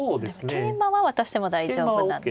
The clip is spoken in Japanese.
桂馬は渡しても大丈夫なんですね。